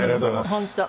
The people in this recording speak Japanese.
本当。